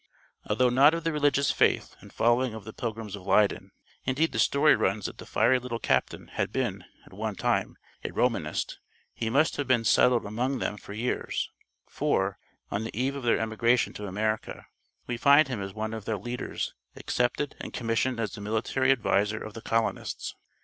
Although not of the religious faith and following of the Pilgrims of Leyden indeed the story runs that the fiery little captain had been, at one time, a Romanist he must have been settled among them for years, for, on the eve of their emigration to America, we find him as one of their leaders, accepted and commissioned as the military adviser of the colonists.